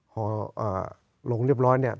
พอลงเรียบร้อยเนี่ย